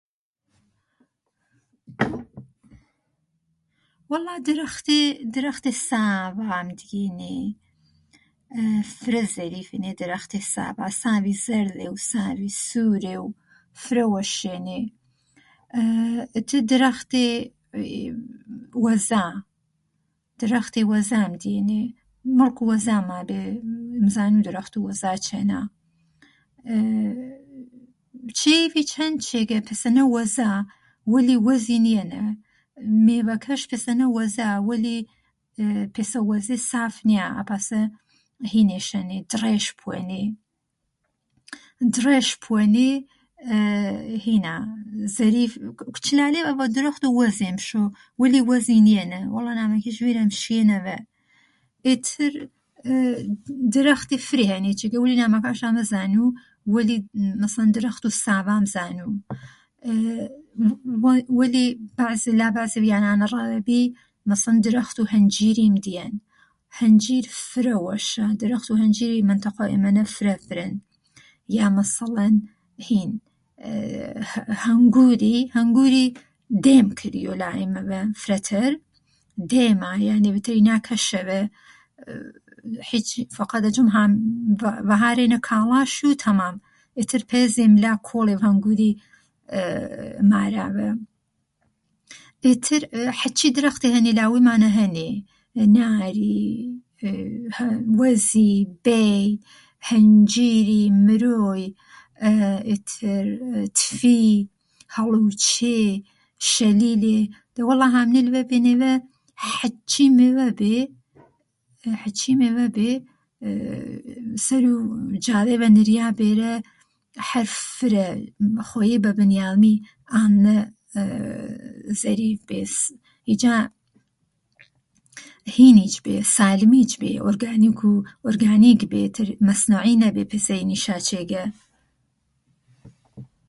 وەڵا درەختێ، درەختێ ساڤ فرە زەریفێنێ درەختێ ساڤا ساڤێ زەرذێ و ساڤی سوورێ و فرە وەشینێ. ئیتر درەختێ وەزا. درەختێ وەزام دیێنێ، مڵکوو وەزاما بێ. مزانوو درەختوو وەزا چەینا. ئێ چێڤێڤیچ هەن جێگە پێسەنە وەزا وەلی وەزی نیەنە. مێڤەکەش پێسەنە وەزا وەلی پێسە وەزێ ساف نیا ئاپاسە هینێش هەنێ دڕەیش پوەنێ، دڕەیش پوەنێ ئێ هینا زەرید، کوچلالێڤ ئەڤە درەختوو وەزێ مشۆ وەلی وەزی نیەنە وەڵا نامەکیش ڤیرەم شیێنەڤە ئێتر درەختێ فرێ هەنێ ناماکەشا مەزانوو وەلی مەسەڵەن درەختوو ساڤا مزانوو. وەلی پاسە لا بەعزێڤ یانانە رەذە بی